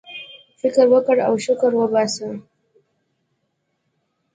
فكر وكره او شكر وباسه!